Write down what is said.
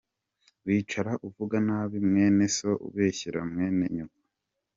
Wicara uvuga nabi mwene so, Ubeshyera mwene nyoko